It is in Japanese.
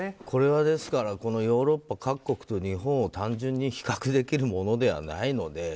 これは、ヨーロッパ各国と日本を単純に比較できるものではないので。